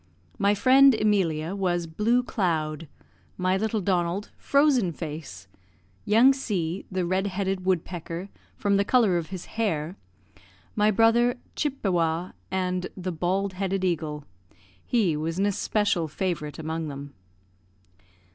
My friend, Emilia, was "blue cloud;" my little Donald, "frozen face;" young C , "the red headed woodpecker," from the colour of his hair; my brother, Chippewa, and "the bald headed eagle." He was an especial favourite among them.